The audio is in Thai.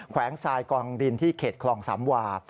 วงทรายกองดินที่เขตคลองสามวา